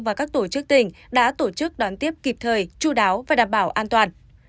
và các tổ chức tỉnh đã tổ chức đón tiếp kịp thời chú đáo và đảm bảo an toàn